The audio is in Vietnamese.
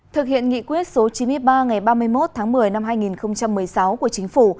thực hiện nghị quyết số chín mươi ba ngày ba mươi một tháng một mươi năm hai nghìn một mươi sáu của chính phủ